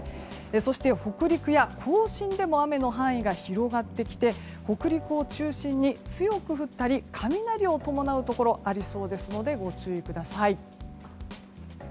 そして、北陸や甲信でも雨の範囲が広がってきて北陸を中心に強く降ったり雷を伴うところがありそうですのでご注意ください。